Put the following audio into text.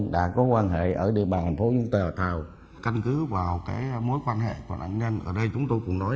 là có mối quan hệ ở đâu ra sao như thế nào cùng với ai